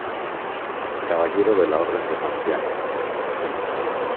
Caballero de la orden de Santiago.